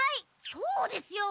そうですよ！